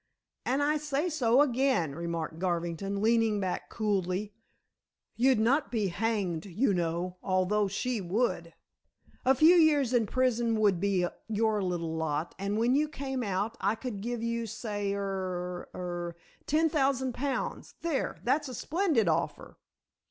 "And I say so again," remarked Garvington, leaning back coolly. "You'd not be hanged, you know, although she would. A few years in prison would be your little lot and when you came out I could give you say er er ten thousand pounds. There! That's a splendid offer."